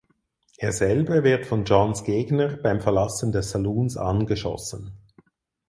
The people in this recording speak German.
Er selber wird von Johns Gegner beim Verlassen des Saloons angeschossen.